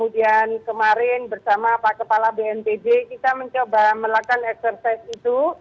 dan kemarin bersama pak kepala bnpj kita mencoba melakukan exercise itu